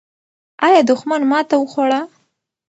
آیا دښمن ماته وخوړه؟